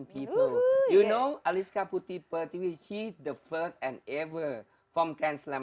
kamu tahu ariske putri pertiwi dia adalah yang pertama yang pernah menang dari pajet grand slam